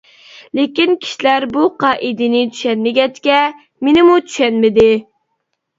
لېكىن كىشىلەر بۇ قائىدىنى چۈشەنمىگەچكە، مېنىمۇ چۈشەنمىدى.